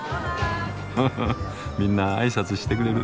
ふふみんな挨拶してくれる。